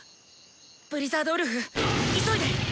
ブリザードウルフ急いで！